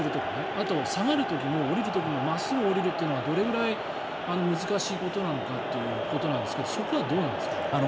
あと下がる時も真っすぐ下りるというのがどれぐらい難しいことなのかということなんですがそこはどうなんですか。